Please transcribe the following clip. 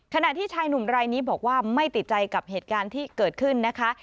ขณะที่ชายหนุ่มรายนี้บอกว่าไม่ติดใจกับเหตุการณ์ที่เกิดขึ้นนะคะ